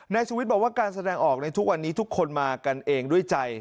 ชีวิตบอกว่าการแสดงออกในทุกวันนี้ทุกคนมากันเองด้วยใจ